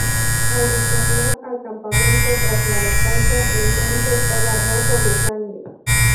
Al retornar al campamento tras la batalla, el manto estaba rojo de sangre.